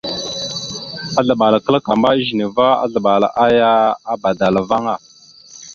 Azləɓal a klakamba a ezine va, azləɓal aya a badala vaŋa.